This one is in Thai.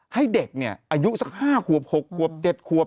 ให้เด็กเนี่ยอายุสัก๕ขวบ๖ขวบ๗ขวบ